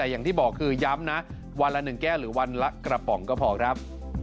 อย่างที่บอกคือย้ำนะวันละ๑แก้วหรือวันละกระป๋องก็พอครับ